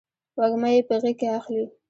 وږمه یې په غیږ کې اخلې